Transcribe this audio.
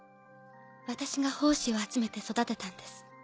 私が胞子を集めて育てたんです。